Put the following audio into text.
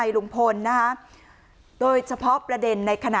ก็อยู่ด้วยกันต่อไปก็ให้ออกมาวันนี้เลยในนิดนึงนะ